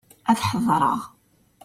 Ad hedṛeɣ.